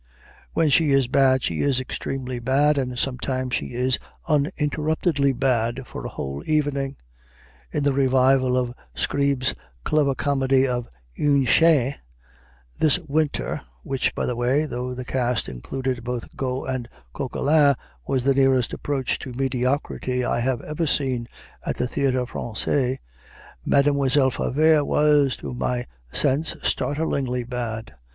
When she is bad she is extremely bad, and sometimes she is interruptedly bad for a whole evening. In the revival of Scribe's clever comedy of "Une Chaine," this winter (which, by the way, though the cast included both Got and Coquelin, was the nearest approach to mediocrity I have ever seen at the Théâtre Français), Mademoiselle Favart was, to my sense, startlingly bad.